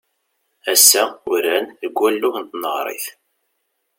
Ass-a, uran deg walug n tneɣrit.